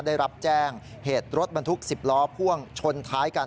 ได้รับแจ้งเหตุรถบรรทุก๑๐ล้อพ่วงชนท้ายกัน